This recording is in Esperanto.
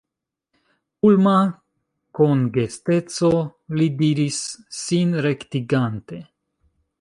Pulma kongesteco, li diris, sin rektigante.